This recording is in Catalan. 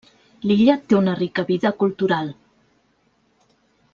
L'illa té una rica vida cultural.